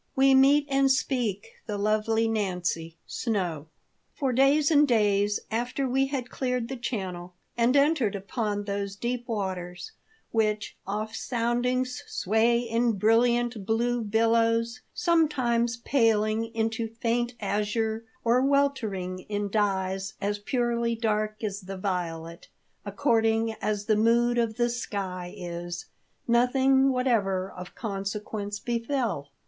WE MEET AND SPEAK THE LOVELY NANCY, SNOW. For days and days after we had cleared the Channel and entered upon those deep waters, which, off soundings sway in brilliant blue billows, sometimes paling into faint azure or weltering in dyes as purely dark as the violet, according as the mood of the sky is, nothing whatever of consequence befell.